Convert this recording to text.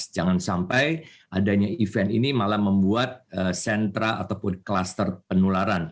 jangan sampai adanya event ini malah membuat sentra ataupun kluster penularan